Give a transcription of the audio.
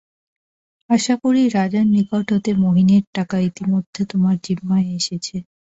আশা করি রাজার নিকট হতে মহিনের টাকা ইতোমধ্যেই তোমার জিম্মায় এসেছে।